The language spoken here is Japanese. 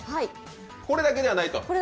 これだけじゃないと。